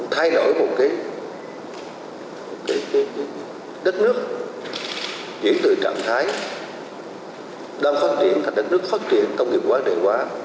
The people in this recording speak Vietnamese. thay đổi một cái đất nước diễn tự trạng thái đang phát triển thành đất nước phát triển công nghiệp quả đại hóa